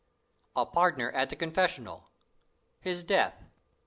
A Partner at the Confessional. His Death.